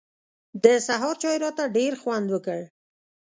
د سهار چای راته ډېر خوند وکړ.